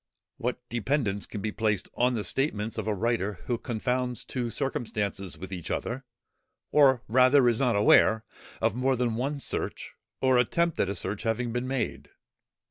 What dependance can be placed on the statements of a writer who confounds two circumstances with each other, or rather is not aware, of more than one search, or attempt at a search having been made!